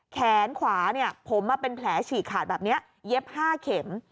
แขนขวาเนี่ยผมอ่ะเป็นแผลฉีกขาดแบบเนี้ยเย็บห้าเข็ม